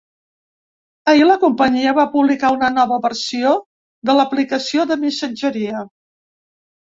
Ahir la companyia va publicar una nova versió de l’aplicació de missatgeria.